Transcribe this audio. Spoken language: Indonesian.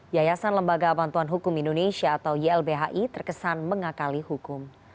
yayasan lembaga bantuan hukum indonesia atau ylbhi terkesan mengakali hukum